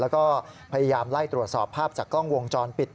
แล้วก็พยายามไล่ตรวจสอบภาพจากกล้องวงจรปิด